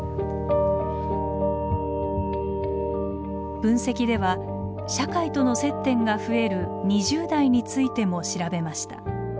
分析では社会との接点が増える２０代についても調べました。